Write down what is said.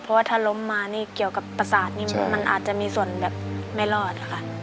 เพราะว่าถ้าล้มมานี่เกี่ยวกับประสาทนี่มันอาจจะมีส่วนแบบไม่รอดค่ะ